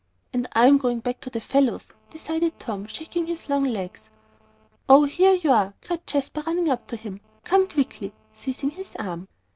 "And I'm going back to the fellows," decided Tom, shaking his long legs. "Oh, here you are!" cried Jasper, running up to him. "Come quickly," seizing his arm.